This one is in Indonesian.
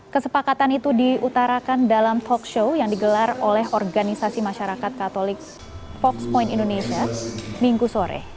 kesepakatan itu diutarakan dalam talk show yang digelar oleh organisasi masyarakat katolik fox point indonesia minggu sore